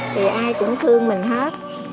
thì ai cũng thương mình hết